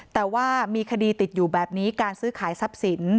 แต่ว่ามีคดีติดอยู่แบบนี้การซื้อขายทรัพย์สิน